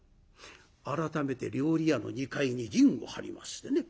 改めて料理屋の２階に陣を張りましてね。